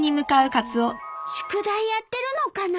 宿題やってるのかな？